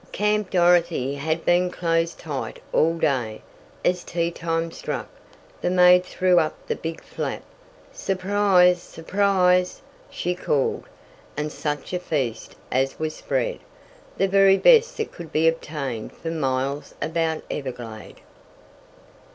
Camp Dorothy had been closed tight all day. As tea time struck, the maid threw up the big flap. "Surprise! Surprise!" she called, and such a feast as was spread! The very best that could be obtained for miles about Everglade.